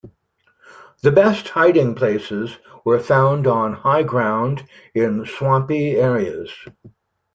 The best hiding places were found on high ground in swampy areas.